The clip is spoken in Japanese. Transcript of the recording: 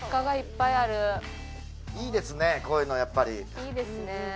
いいですね。